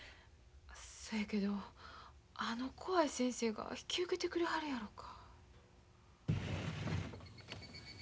そやけどあの怖い先生が引き受けてくれはるやろか。